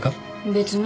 別に。